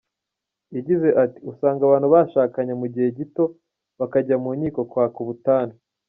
Yagize ati “Usanga abantu bashakanye mu gihe gito bakajya mu nkiko kwaka ubutane.